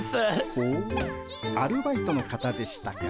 ほうアルバイトの方でしたか。